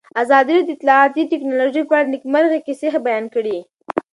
ازادي راډیو د اطلاعاتی تکنالوژي په اړه د نېکمرغۍ کیسې بیان کړې.